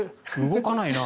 動かないな。